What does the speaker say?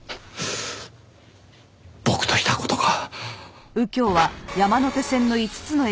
僕とした事が。